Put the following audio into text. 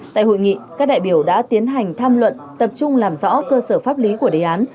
tại hội nghị các đại biểu đã tiến hành tham luận tập trung làm rõ cơ sở pháp lý của đề án